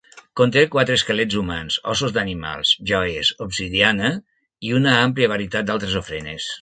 Conté quatre esquelets humans, ossos d'animals, joies, obsidiana i una àmplia varietat d'altres ofrenes.